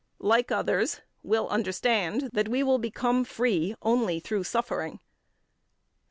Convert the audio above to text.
like others, will understand that we will become free only through suffering; 17.